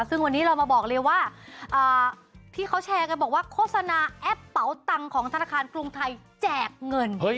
ซึ่งวันนี้เรามาบอกเลยว่าที่เขาแชร์กันบอกว่าโฆษณาแอปเป๋าตังค์ของธนาคารกรุงไทยแจกเงิน